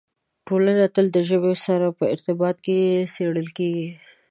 ټولنه تل د ژبې سره په ارتباط کې څېړل کېږي.